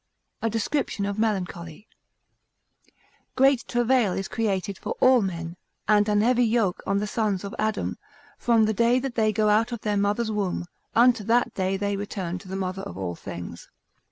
A Description of Melancholy.] Great travail is created for all men, and an heavy yoke on the sons of Adam, from the day that they go out of their mother's womb, unto that day they return to the mother of all things.